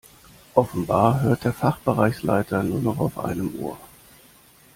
Offenbar hört der Fachbereichsleiter nur noch auf einem Ohr.